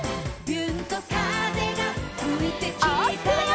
「びゅーんと風がふいてきたよ」